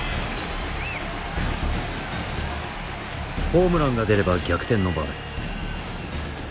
ホームランが出れば逆転の場面。